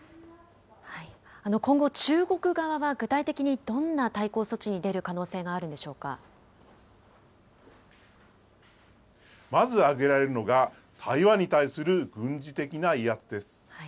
今後、中国側は具体的にどんな対抗措置に出る可能性があるんまず挙げられるのが、台湾に対する軍事的な威圧です。